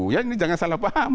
ini jangan salah paham